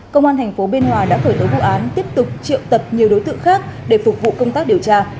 công an tp biên hòa đã khởi tố vụ án tiếp tục triệu tập nhiều đối tượng khác để phục vụ công tác điều tra